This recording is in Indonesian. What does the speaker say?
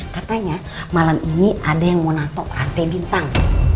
katanya malam ini ada yang mau nato rantai bintang